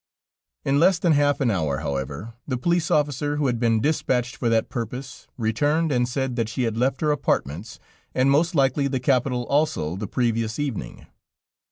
In less than half an hour, however, the police officer who had been dispatched for that purpose, returned and said that she had left her apartments, and most likely the Capital also, the previous evening.